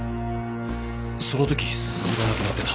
その時鈴がなくなってた。